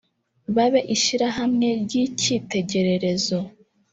babe ishyirahamwe ry’icyitegererezo